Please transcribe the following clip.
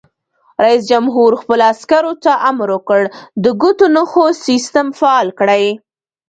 رئیس جمهور خپلو عسکرو ته امر وکړ؛ د ګوتو نښو سیسټم فعال کړئ!